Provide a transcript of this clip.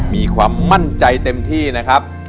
มีความมั่นใจเต็มที่นะครับ